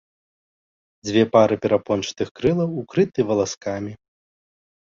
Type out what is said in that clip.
Дзве пары перапончатых крылаў укрыты валаскамі.